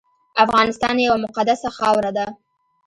افغانستان یوه مقدسه خاوره ده